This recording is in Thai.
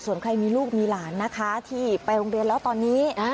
ส่วนใครมีลูกมีหลานนะคะที่ไปโรงเรียนแล้วตอนนี้